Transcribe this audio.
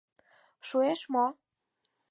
Шуэш мо?